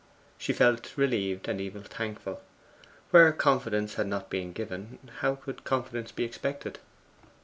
She felt relieved and even thankful. Where confidence had not been given, how could confidence be expected?